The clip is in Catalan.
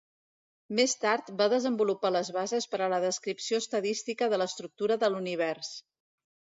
Més tard va desenvolupar les bases per a la descripció estadística de l'estructura de l'univers.